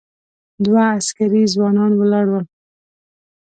دوه عسکري ځوانان ولاړ و.